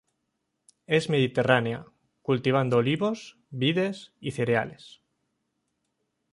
Es mediterránea, cultivando olivos, vides y cereales.